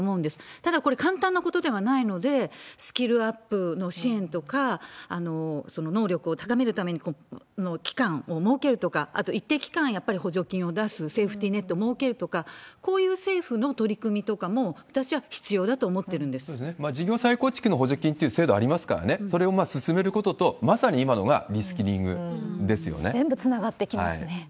ただ、これ簡単なことではないので、スキルアップの支援とか、能力を高めるための期間を設けるとか、あと一定期間補助金を出す、セーフティーネットを設けるとか、こういう政府の取り組みとかも、事業再構築の補助金っていう制度ありますからね、それを進めることと、まさに今のがリスキリ全部つながってきますね。